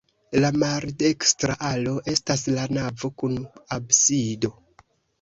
La maldekstra alo estas la navo kun absido.